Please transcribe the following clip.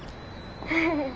フフフ。